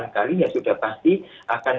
enam kali ya sudah pasti akan